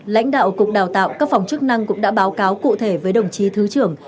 lãnh đạo cục đào tạo các phòng chức năng cũng đã báo cáo cụ thể với đồng chí thứ trưởng